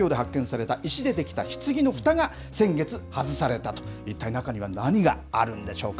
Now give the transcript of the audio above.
発見された石で出来たひつぎのふたが、先月、外されたと、一体中には何があるんでしょうか。